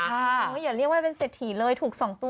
อ่าว้าวอย่าเรียกว่าเป็นเสดหิเลยถูกสองตัว